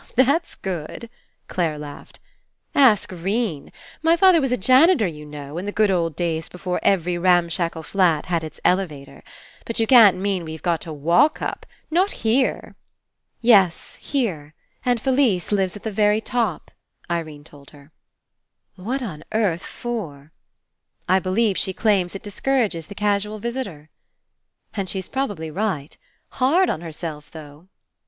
'That's good!" Clare laughed. "Ask 'Rene. My father was a janitor, you know. In the good old days before every ramshackle flat had Its elevator. But you can't mean we've got to walk up ? Not here !" "Yes, here. And Fellse lives at the very top," Irene told her. 203 PASSING "What on earth for?'' "I beheve she claims it discourages the casual visitor." "And she's probably right. Hard on herself, though."